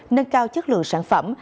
nâng cao chất lượng sản phẩm